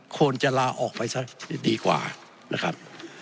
ควรจะลาออกไปซะดีกว่านะครับ